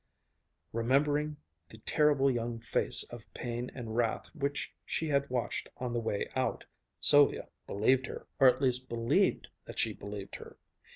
Remembering the terrible young face of pain and wrath which she had watched on the way out, Sylvia believed her; or at least believed that she believed her.